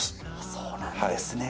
そうなんですね。